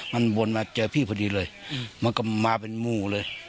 มันวนมาเจอพี่พอดีเลยมันก็มาเป็นหมู่เลย